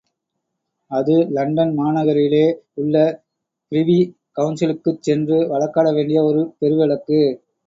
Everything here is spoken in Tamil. அது லண்டன் மாநகரிலே உள்ள ப்ரிவி கவுன்சிலுக்குச் சென்று வழக்காட வேண்டிய ஒரு பெரு வழக்கு.